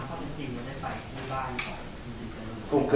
ขอบคุณครับ